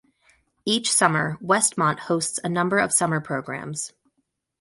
Each summer, Westmont hosts a number of summer programs.